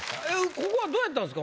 ここはどうやったんですか？